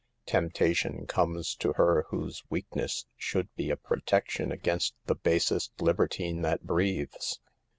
Temptation comes to her whose weakness should be a protection against the basest libertine that breathes.